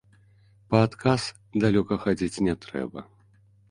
Па адказ далёка хадзіць не трэба.